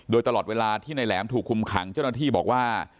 โดยตลอดเวลาที่นายแหลมถูกคุมขังเจ้าหน้าที่บอกว่า